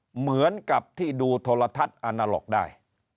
เหมือนกับที่ดูโทรทัศน์อาณาล็อกได้